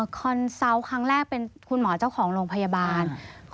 คอนเซาต์ครั้งแรกเป็นคุณหมอเจ้าของโรงพยาบาล